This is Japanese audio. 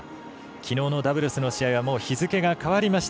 きのうのダブルスの試合は日付が変わりました。